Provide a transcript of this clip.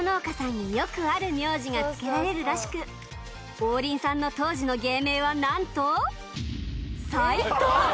王林さんの当時の芸名はなんと